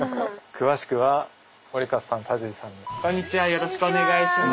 よろしくお願いします。